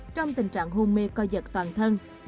trong tình trạng hôn mê coi giật toàn thân